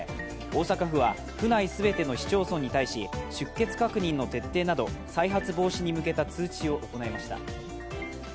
大阪府は府内すべての市町村に対し出欠確認の徹底など再発防止に向けた通知を行いました。